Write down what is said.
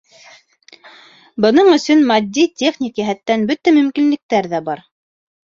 — Бының өсөн матди-техник йәһәттән бөтә мөмкинлектәр ҙә бар.